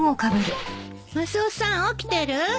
マスオさん起きてる？